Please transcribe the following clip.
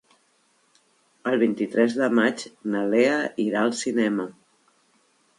El vint-i-tres de maig na Lea irà al cinema.